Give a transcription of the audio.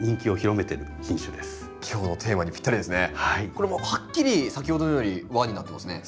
これはもうはっきり先ほどのより輪になってますね。